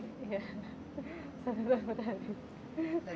satu ton per hari